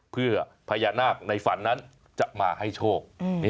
เพื่อพญานาคในฝันนั้นจะมาให้โชค